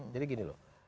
jadi gini loh